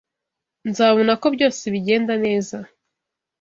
Nzabona ko byose bigenda neza.